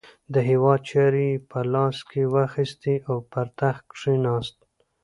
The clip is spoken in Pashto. د هیواد چارې یې په لاس کې واخیستې او پر تخت کښېناست.